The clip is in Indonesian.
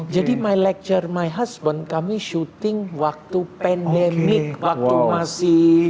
jadi my lecturer my husband kami syuting waktu pandemic waktu masih